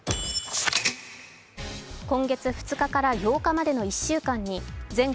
今月２日から８日までの１週間に全国